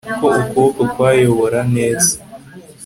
Ko ukuboko kwayobora neza